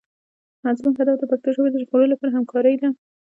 زموږ هدف د پښتو ژبې د ژغورلو لپاره همکارۍ دي.